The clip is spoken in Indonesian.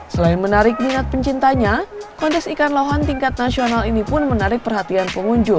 selain menarik minat pencintanya kontes ikan lohan tingkat nasional ini pun menarik perhatian pengunjung